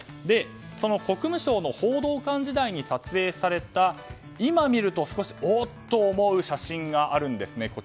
その国務省の報道官時代に撮影された今見ると少しおっと思う写真があるんですね。